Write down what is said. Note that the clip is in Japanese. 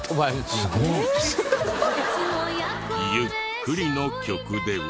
すごい。ゆっくりの曲では。